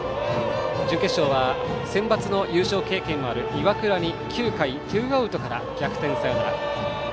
準決勝はセンバツの優勝経験もある岩倉に９回、ツーアウトから逆転サヨナラ。